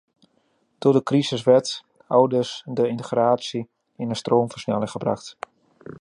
Door de crisis werd aldus de integratie in een stroomversnelling gebracht.